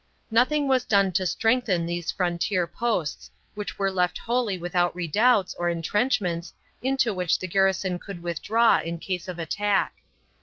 Nothing was done to strengthen these frontier posts, which were left wholly without redoubts or intrenchments into which the garrison could withdraw in case of attack.